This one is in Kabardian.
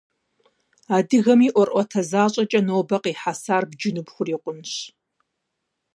Адыгэми ӏуэрыӏуатэ защӏэкӏэ нобэм къихьэсар бджыну пхурикъунщ.